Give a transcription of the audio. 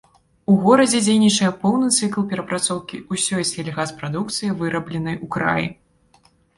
У горадзе дзейнічае поўны цыкл перапрацоўкі ўсёй сельгаспрадукцыі, вырабленай у краі.